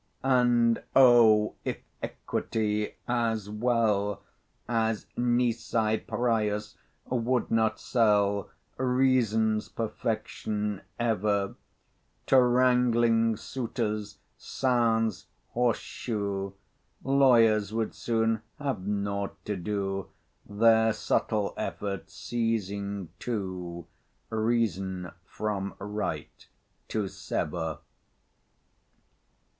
And oh! if Equity, as well As Nisi Prius, would not sell Reason's perfection ever To wrangling suitors sans horse shoe, Lawyers would soon have nought to do, Their subtle efforts ceasing too, Reason from right to sever.